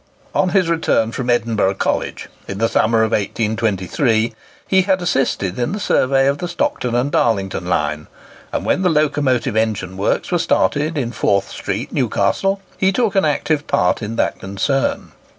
On his return from Edinburgh College in the summer of 1823, he had assisted in the survey of the Stockton and Darlington line; and when the Locomotive Engine Works were started in Forth Street, Newcastle, he took an active part in that concern.